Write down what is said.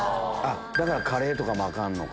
だからカレーとかもアカンのか。